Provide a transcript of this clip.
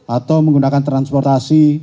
atau menggunakan transportasi